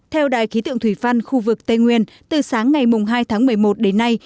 theo đài khí tượng thủy văn khu vực tây nguyên từ sáng ngày hai tháng một mươi một đến nay